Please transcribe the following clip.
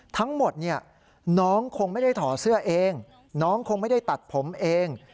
ทั้งหมดเนี่ยน้องคงไม่ได้ถอดเสื้อเองน้องคงไม่ได้ตัดผมเอง